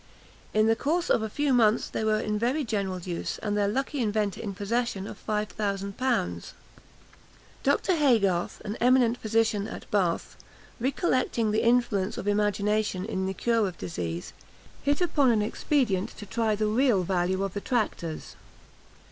In the course of a few months they were in very general use, and their lucky inventor in possession of five thousand pounds. Dr. Haygarth, an eminent physician at Bath, recollecting the influence of imagination in the cure of disease, hit upon an expedient to try the real value of the tractors.